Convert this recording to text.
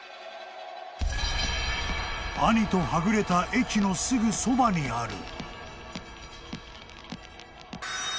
［兄とはぐれた駅のすぐそばにある］